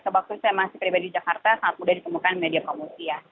sebab itu saya masih pribadi di jakarta sangat mudah ditemukan media komosi ya